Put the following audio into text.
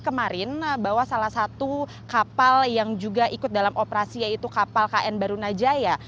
kemarin bahwa salah satu kapal yang juga ikut dalam operasi yaitu kapal kn barunajaya